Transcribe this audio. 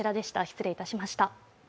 失礼いたしました。